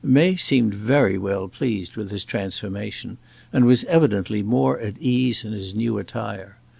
May seemed very well pleased with his transformation, and was evidently more at ease in his new attire.